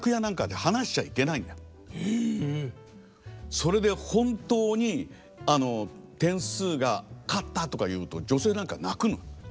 それで本当に点数が勝ったとか言うと女性なんか泣くの。